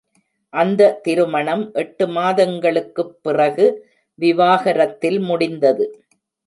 அந்த திருமணம் எட்டு மாதங்களுக்குப் பிறகு விவாகரத்தில் முடிந்தது.